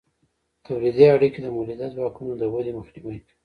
تولیدي اړیکې د مؤلده ځواکونو د ودې مخنیوی کوي.